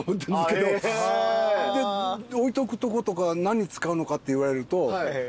置いとくとことか何使うのかって言われると。